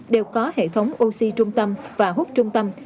đều có hệ thống oxy trung tâm và hút trung tâm